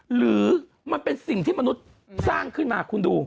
หรือมันเป็นสิ่งที่มนุษย์สร้างขึ้นมาคุณดู